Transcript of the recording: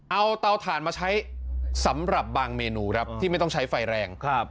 เอาเตาถ่านมาใช้สำหรับบางเมนูครับที่ไม่ต้องใช้ไฟแรงครับ